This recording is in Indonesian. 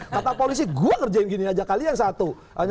kata polisi gue kerjain gini aja kali yang satu